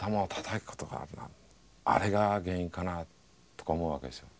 あれが原因かな？とか思うわけですよ。